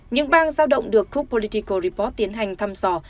những bang giao động được cook political report tiến hành thăm dò